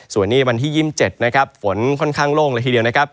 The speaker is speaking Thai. ส่วนนี้วันที่ยิ่มเจ็ดนะครับฝนค่อนข้างล่วงนึงทีเดียวนะครับ